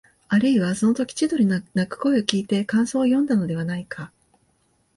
あるいは、そのとき千鳥の鳴く声をきいて感想をよんだのではないか、